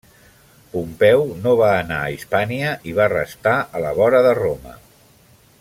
Pompeu no va anar a Hispània i va restar a la vora de Roma.